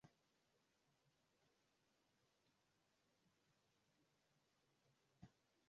asante sana na sina zaidi msikilizaji jumatano hii jioni hii